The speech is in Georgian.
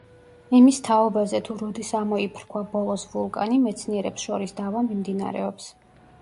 იმის თაობაზე, თუ როდის ამოიფრქვა ბოლოს ვულკანი, მეცნიერებს შორის დავა მიმდინარეობს.